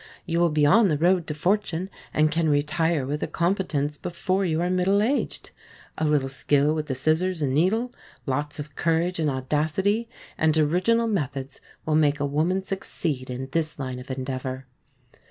You will be on the road to fortune, and can retire with a competence before you are middle aged. A little skill with the scissors and needle, lots of courage and audacity, and original methods will make a woman succeed in this line of endeavour.